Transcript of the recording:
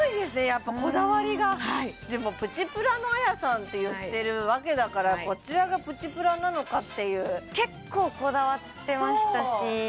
やっぱこだわりがでもプチプラのあやさんって言ってるわけだからこちらがプチプラなのかっていう結構こだわってましたしそう！